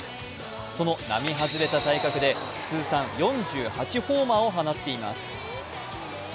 その並外れた体格で通算４８ホーマーを放っています。